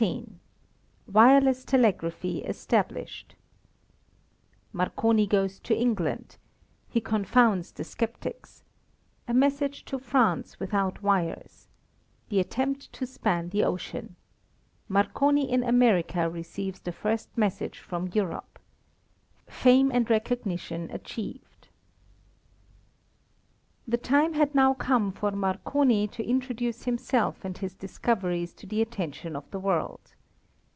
XVII WIRELESS TELEGRAPHY ESTABLISHED Marconi Goes to England he Confounds the Skeptics A Message to France Without Wires The Attempt to Span the Ocean Marconi in America Receives the First Message from Europe Fame and Recognition Achieved. The time had now come for Marconi to introduce himself and his discoveries to the attention of the world.